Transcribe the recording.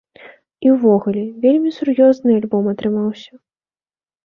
І ўвогуле, вельмі сур'ёзны альбом атрымаўся.